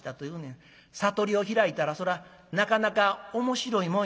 悟りを開いたらそらなかなか面白いもんや」。